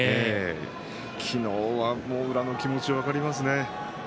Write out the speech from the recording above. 昨日は宇良の気持ち分かりますね